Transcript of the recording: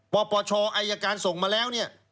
ปปชอัยการส่งมาแล้ว